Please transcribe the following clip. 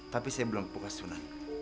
tapi saya belum puka sunan